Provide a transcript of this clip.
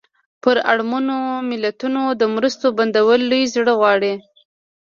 پر اړمنو ملتونو د مرستو بندول لوی زړه غواړي.